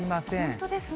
本当ですね。